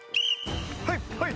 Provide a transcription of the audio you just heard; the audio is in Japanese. はいはい！